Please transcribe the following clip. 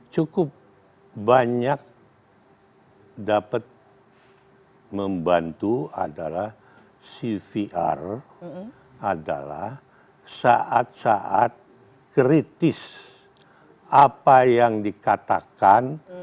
cukup banyak dapat membantu adalah cvr adalah saat saat kritis apa yang dikatakan